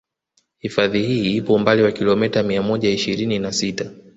Hifadhi hii ipo umbali wa kilomita mia moja ishirini na sita